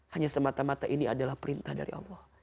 hanya semata mata ini adalah perintah dari allah